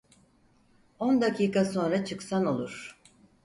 On dakika sonra çıksan olur.